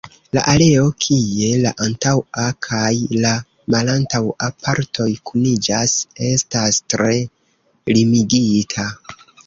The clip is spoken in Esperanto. La areo kie la antaŭa kaj la malantaŭa partoj kuniĝas estas tre limigita.